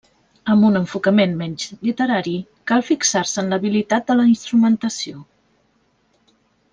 Amb un enfocament menys literari, cal fixar-se en l'habilitat de la instrumentació.